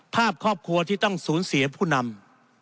ภาพครอบครัวที่ต้องสูญเสียผู้นำ